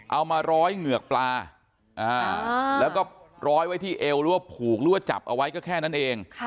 เอามาร้อยเหงือกปลาแล้วก็ร้อยไว้ที่เอวหรือว่าผูกหรือว่าจับเอาไว้ก็แค่นั้นเอง